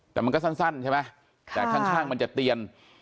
แต่มันก็สั้นใช่ไหมแต่ข้างมันจะเตียน